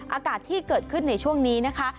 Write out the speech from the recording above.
อากาศที่เกิดขึ้นในช่วงนี้นะคะ